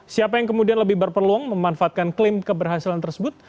siapa yang kemudian lebih berpeluang memanfaatkan klaim keberhasilan tersebut